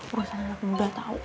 gue sangat muda tau